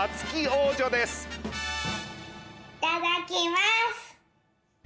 いただきます！